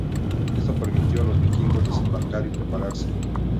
Esto permitió a los vikingos desembarcar y prepararse.